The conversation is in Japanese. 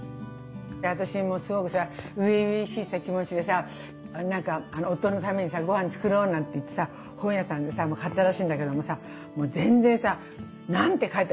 私もすごくさ初々しい気持ちでさなんか夫のためにさご飯作ろうなんて言ってさ本屋さんでさ買ったらしいんだけどもさもう全然さ何て書いてある。